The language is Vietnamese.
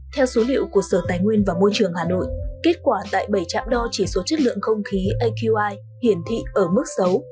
theo số liệu của sở tài nguyên và môi trường hà nội kết quả tại bảy trạm đo chỉ số chất lượng không khí aqi hiển thị ở mức xấu